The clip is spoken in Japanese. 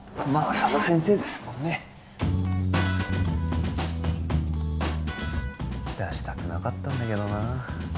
佐田先生ですもんね出したくなかったんだけどな